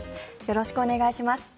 よろしくお願いします。